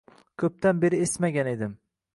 Ko‘pdan beri esmagan edim.